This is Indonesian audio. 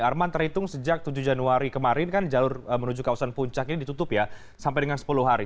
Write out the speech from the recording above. arman terhitung sejak tujuh januari kemarin kan jalur menuju kawasan puncak ini ditutup ya sampai dengan sepuluh hari